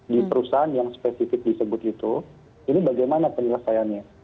di perusahaan yang spesifik disebut itu ini bagaimana penyelesaiannya